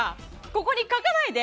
ここに書かないで！